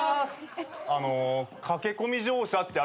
あの駆け込み乗車って。